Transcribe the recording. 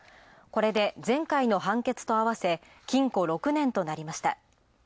これで前回の判決とあわせ、禁錮６年となりました。